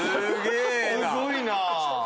すごいなぁ。